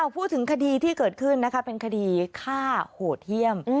พูดถึงคดีที่เกิดขึ้นนะคะเป็นคดีฆ่าโหดเยี่ยม